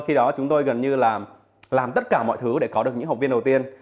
khi đó chúng tôi gần như là làm tất cả mọi thứ để có được những học viên đầu tiên